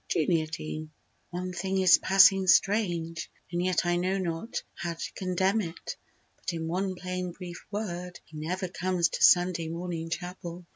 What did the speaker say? JUNIOR DEAN: One thing is passing strange, and yet I know not How to condemn it; but in one plain brief word He never comes to Sunday morning chapel.